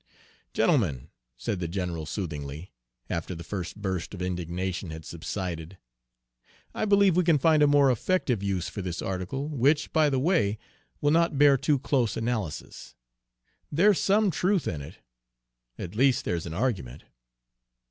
"Gentlemen," said the general soothingly, after the first burst of indignation had subsided, "I believe we can find a more effective use for this article, which, by the way, will not bear too close analysis, there's some truth in it, at least there's an argument."